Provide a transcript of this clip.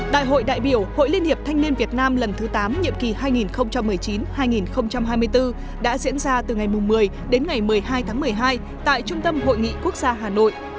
đại hội đại biểu hội liên hiệp thanh niên việt nam lần thứ tám nhiệm kỳ hai nghìn một mươi chín hai nghìn hai mươi bốn đã diễn ra từ ngày một mươi đến ngày một mươi hai tháng một mươi hai tại trung tâm hội nghị quốc gia hà nội